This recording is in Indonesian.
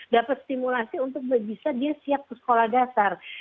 dapat stimulasi untuk bisa dia siap ke sekolah dasar